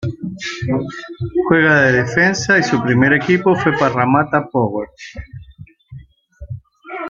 Juega de defensa y su primer equipo fue Parramatta Power.